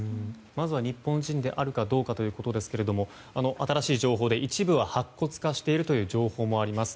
まずは日本人であるかどうかということですが新しい情報で一部は白骨化しているという情報もあります。